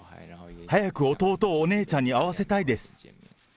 早く弟をお姉ちゃんに会わせたいです。